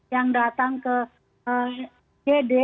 yang datang ke ged